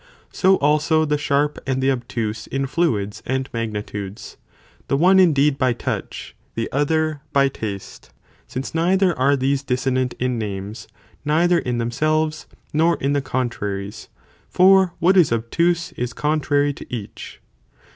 So also the sharp and the obtuse in fluids and magnitudes, the one indeed by touch, the other by taste, since neither are these dissonant in names, neither in themselves nor in the contraries, for what is obtuse is contrary to each.